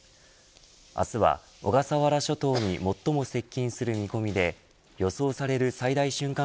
明日は小笠原諸島に最も接近する見込みで予想される最大瞬間